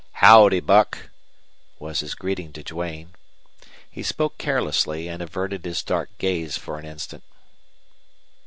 "Howdy, Buck," was his greeting to Duane. He spoke carelessly and averted his dark gaze for an instant.